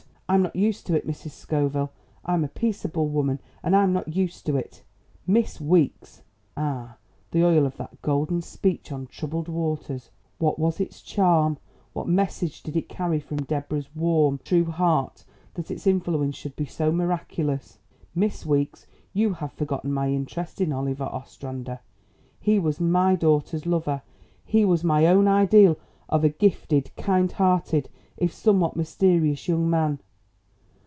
I'm not used to it, Mrs. Scoville. I'm a peaceable woman and I'm not used to it." "Miss Weeks " Ah, the oil of that golden speech on troubled waters! What was its charm? What message did it carry from Deborah's warm, true heart that its influence should be so miraculous? "Miss Weeks, you have forgotten my interest in Oliver Ostrander. He was my daughter's lover. He was my own ideal of a gifted, kind hearted, if somewhat mysterious, young man.